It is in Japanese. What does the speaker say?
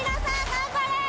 頑張れ！